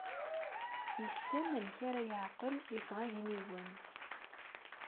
Yessen amek ara yeɛqel ifɣagniyen.